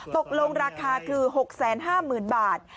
ตกลงราคาคือ๖๕๐๐๐บาท